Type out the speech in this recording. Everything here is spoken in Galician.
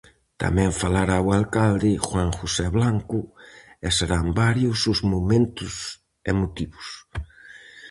Tamén falará o alcalde Juan José Blanco, e serán varios os momentos emotivos.